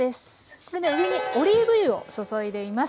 これね上にオリーブ油を注いでいます。